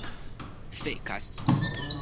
fekas